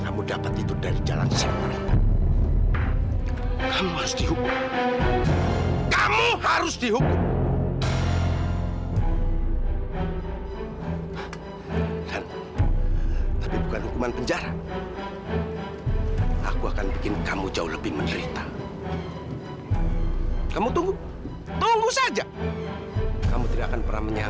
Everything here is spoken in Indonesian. sampai jumpa di video selanjutnya